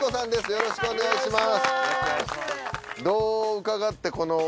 よろしくお願いします。